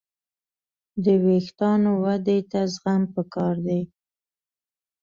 د وېښتیانو ودې ته زغم پکار دی.